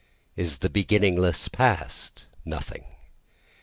is the beginningless past nothing?